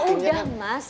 ya udah mas